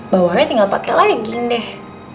bawahnya tinggal pake legging deh